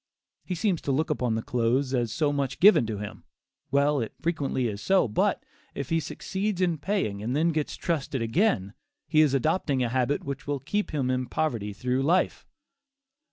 He seems to look upon the clothes as so much given to him; well, it frequently is so, but, if he succeeds in paying and then gets trusted again, he is adopting a habit which will keep him in poverty through life.